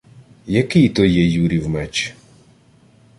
— Який то є Юрів меч?